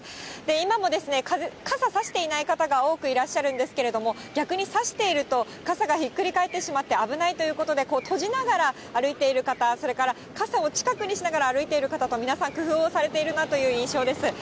今も傘差していない方が多くいらっしゃるんですけれども、逆に差していると、傘がひっくり返ってしまって危ないということで、閉じながら歩いている方、それから、傘を近くにしながら歩いている方と、皆さん、工夫をされているなという印象です。